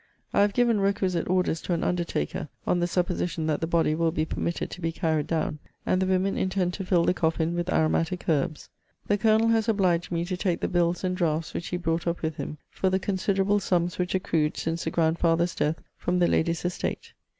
I have given requisite orders to an undertaker, on the supposition that the body will be permitted to be carried down; and the women intend to fill the coffin with aromatic herbs. The Colonel has obliged me to take the bills and draughts which he brought up with him, for the considerable sums which accrued since the grandfather's death from the lady's estate.